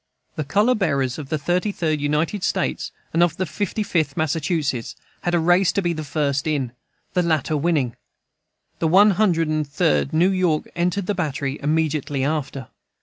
The color bearers of the Thirty Third United States and of the Fifty Fifth Massachusetts had a race to be first in, the latter winning. The One Hundred and Third New York entered the battery immediately after.